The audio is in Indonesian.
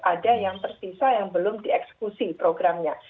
ada yang tersisa yang belum dieksekusi programnya